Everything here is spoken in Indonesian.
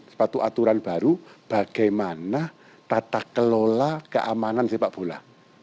suatu aturan baru bagaimana tata kelola keamanan sepak bola